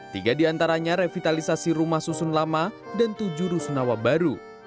tiga diantaranya revitalisasi rumah susun lama dan tujuh rusunawa baru